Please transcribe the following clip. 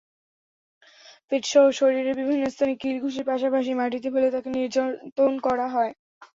পেটসহ শরীরের বিভিন্ন স্থানে কিল-ঘুষির পাশাপাশি মাটিতে ফেলে তাঁকে নির্যাতন করা হয়।